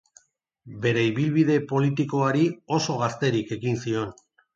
Bere ibilbide politikoari oso gazterik ekin zion.